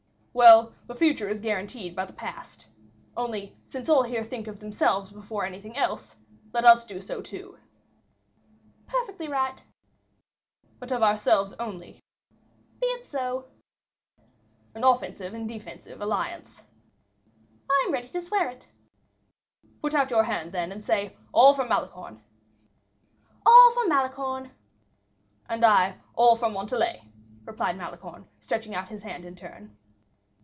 "Well, the future is guaranteed by the past. Only, since all here think of themselves before anything else, let us do so too." "Perfectly right." "But of ourselves only." "Be it so." "An offensive and defensive alliance." "I am ready to swear it." "Put out your hand, then, and say, 'All for Malicorne.'" "All for Malicorne." "And I, 'All for Montalais,'" replied Malicorne, stretching out his hand in his turn.